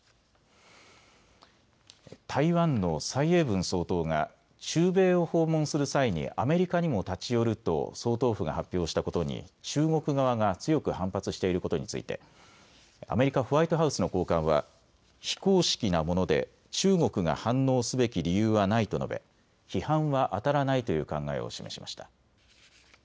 台湾の蔡英文総統が中米を訪問する際にアメリカにも立ち寄ると総統府が発表したことに中国側が強く反発していることについてアメリカ・ホワイトハウスの高官は非公式なもので中国が反応すべき理由はないと述べ批判はあたらないという考えを示しました。